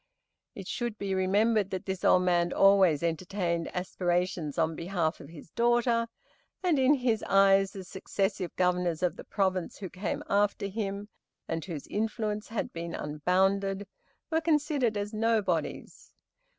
It should be remembered that this old man always entertained aspirations on behalf of his daughter, and in his eyes the successive governors of the province who came after him, and whose influence had been unbounded, were considered as nobodies.